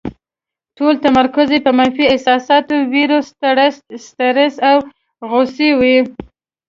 ټول تمرکز یې په منفي احساساتو، وېرې، سټرس او غوسې وي.